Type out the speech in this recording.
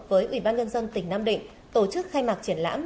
với ủy ban nhân dân tỉnh nam định tổ chức khai mạc triển lãm